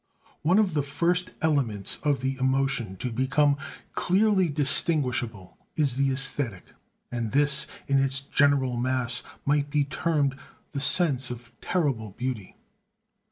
One of the first elements of the emotion to become clearly distinguishable is the æsthetic; and this, in its general mass, might be termed the sense of terrible beauty.